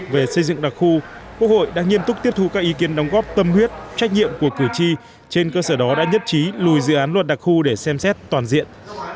về xây dựng đặc khu quốc hội đang nghiêm túc tiếp thu các ý kiến đóng góp tâm huyết trách nhiệm của cử tri trên cơ sở đó đã nhất trí lùi dự án luật đặc khu để xem xét toàn diện